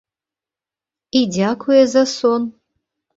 І дзякуе за сон.